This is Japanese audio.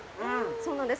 そうなんです。